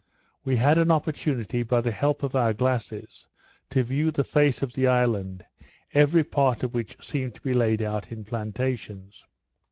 We had an opportunity, by the help of our glasses, to view the face of the island, every part of which seemed to be laid out in plantations.